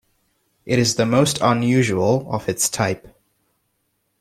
It is the most unusual of its type.